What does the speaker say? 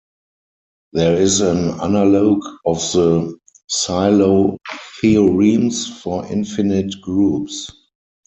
There is an analogue of the Sylow theorems for infinite groups.